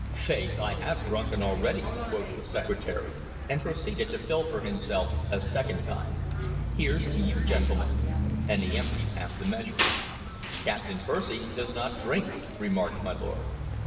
"Faith, I have drunken already," quoth the Secretary, and proceeded to fill for himself a second time. "Here's to you, gentlemen!" and he emptied half the measure. "Captain Percy does not drink," remarked my lord.